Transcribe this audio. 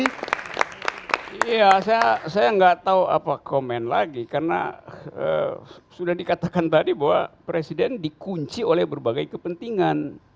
iya saya nggak tahu apa komen lagi karena sudah dikatakan tadi bahwa presiden dikunci oleh berbagai kepentingan